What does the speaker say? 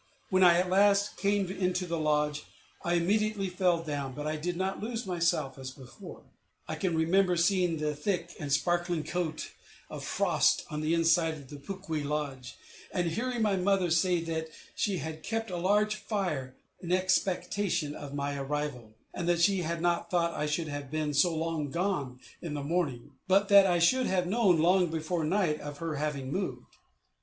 When I at last came into the lodge, I immediately fell down, but I did not lose myself as before. I can remember seeing the thick and sparkling coat of frost on the inside of the pukkwi lodge, and hearing my mother say that she had kept a large fire in expectation of my arrival; and that she had not thought I should have been so long gone in the morning, but that I should have known long before night of her having moved.